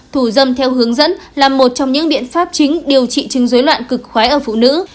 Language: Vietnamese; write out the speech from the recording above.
thủ dâm theo hướng dẫn là một trong những biện pháp chính điều trị chứng dối loạn cực khói ở phụ nữ